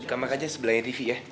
dekamak aja sebelah tv ya